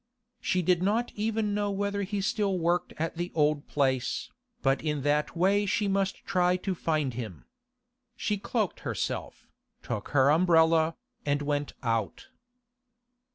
She did not even know whether he still worked at the old place, but in that way she must try to find him. She cloaked herself, took her umbrella, and went out.